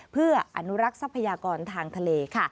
เพื่ออนุรักษ์ทรัพยากรทางทะเลค่ะ